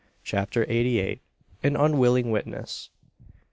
CHAPTER EIGHTY EIGHT. AN UNWILLING WITNESS.